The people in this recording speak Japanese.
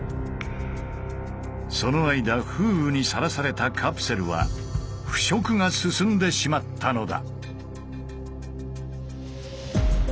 その間風雨にさらされたカプセルは腐食が進んでしまったのだ。